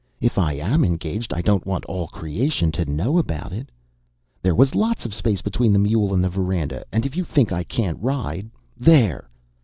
If I am engaged I don't want all creation to know about it. There was lots of space between the mule and the veranda; and, if you think I can't ride There!"